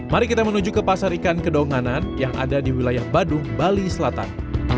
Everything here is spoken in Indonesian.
mari kita menuju ke pasar ikan kedonganan yang ada di wilayah badung bali selatan